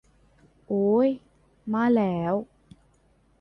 โอ้ย มาแล้ว